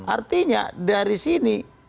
artinya dari sini